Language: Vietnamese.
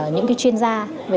những chuyên gia